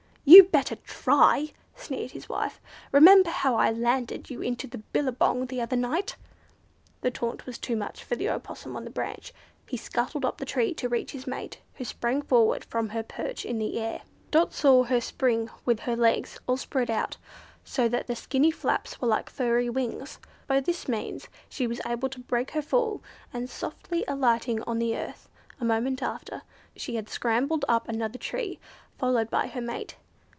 "You'd better try!" sneered his wife. "Remember how I landed you into the billabong the other night!" The taunt was too much for the Opossum on the branch; he scuttled up the tree to reach his mate, who sprang forward from her perch into the air. Dot saw her spring with her legs all spread out, so that the skinny flaps were like furry wings. By this means she was able to break her fall, and softly alighting on the earth, a moment after, she had scrambled up another tree, followed by her mate.